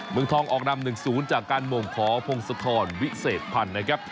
เมืองทองออกนำ๑๐จากการมงของพงศธรวิเศษพันธ์นะครับ